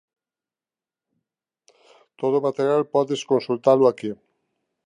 Todo o material podes consultalo aquí.